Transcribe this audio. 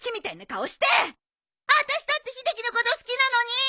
あたしだって秀樹のこと好きなのに！